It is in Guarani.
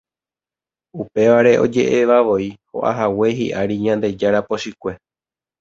Upévare oje'evavoi ho'ahague hi'ári Ñandejára pochykue.